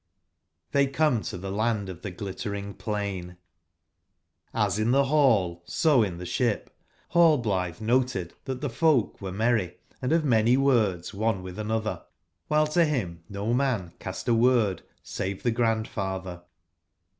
Vbcy come to the Land of the Glitter ing plain^^ |S in the ball, so in the ship, Rall blitbe noted tbat tbe folk were merry and of many words one witb anotber, wbile to bim no man cast a word save tbe Grandf atber.